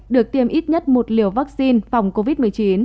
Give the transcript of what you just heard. được tiêm ít nhất một liều vaccine phòng covid một mươi chín